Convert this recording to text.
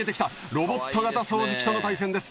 ロボット型掃除機との対戦です！